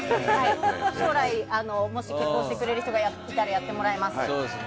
将来、もし結婚してくれる人がいたらやってもらいます。